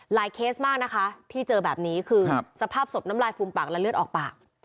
เคสมากนะคะที่เจอแบบนี้คือสภาพศพน้ำลายฟูมปากและเลือดออกปาก